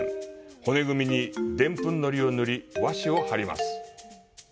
骨組みにデンプンのりを塗り、和紙を貼ります。